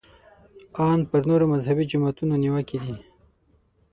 ان پر نورو مذهبي جماعتونو نیوکې دي.